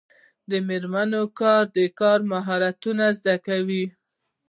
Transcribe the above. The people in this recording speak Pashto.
د میرمنو کار د کار مهارتونو زدکړه کوي.